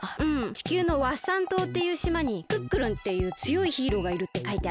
地球のワッサン島っていう島にクックルンっていうつよいヒーローがいるってかいてあった。